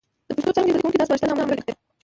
د پښتو څانګې زده کوونکي دا سپارښتنه عملي کړي،